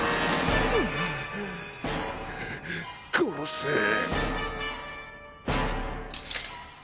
殺せ。